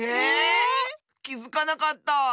きづかなかった。